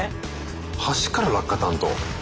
橋から落下担当。